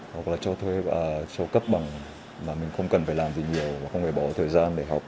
hoặc là cho cấp bằng mà mình không cần phải làm gì nhiều không phải bỏ thời gian để học